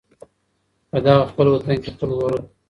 په دغه خپل وطن كي خپل ورورك